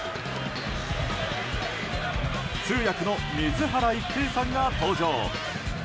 通訳の水原一平さんが登場。